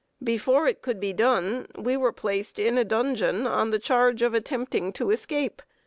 Before it could be done we were placed in a dungeon, on the charge of attempting to escape.